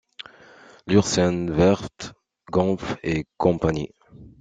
Lürssen Werft GmbH & Co.